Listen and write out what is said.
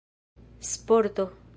sporto